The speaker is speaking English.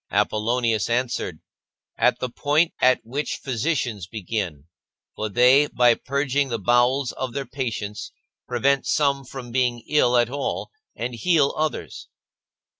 Apollonius answered: " At the point at which physicians begin, for they, by purging the bowels of their patients prevent some from being ill at all, and heal others."